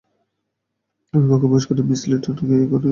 আমি কক্ষে প্রবেশের পর মিস লিনেটকে ওখানে পড়ে থাকতে দেখলাম!